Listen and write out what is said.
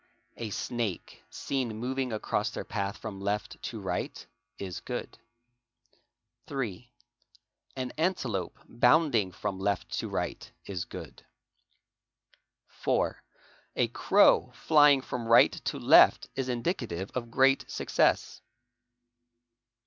A snake seen moving across their path from left to right is good. 3. An antelope bounding from left to right is good. 4. A crow flying from right to left is indicative of great success.